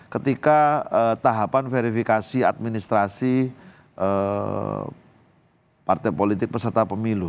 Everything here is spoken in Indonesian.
ketika tahapan verifikasi administrasi partai politik peserta pemilu